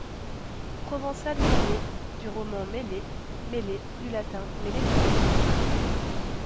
Provençal Mialet, du roman Melet, Mellet, du latin Meletum.